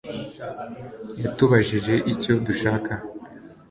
Yatubajije icyo dushaka